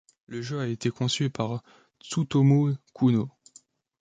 Le jeu a été conçu par Tsutomu Kouno.